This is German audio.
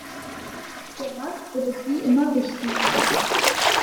Der Markt wird es wie immer richten.